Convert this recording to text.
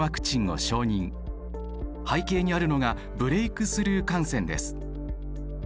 背景にあるのがブレイクスルー感染です。